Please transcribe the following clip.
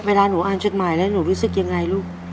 เวลาหนูอ่านจดหมายแล้วหนูรู้สึกยังไงลูก